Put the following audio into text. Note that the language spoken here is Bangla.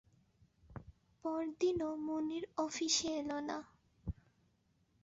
পরদিনও মুনির অফিসে এল না।